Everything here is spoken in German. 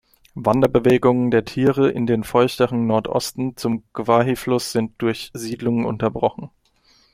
Wanderbewegungen der Tiere in den feuchteren Nordosten, zum Gwayi-Fluss, sind durch Siedlungen unterbrochen.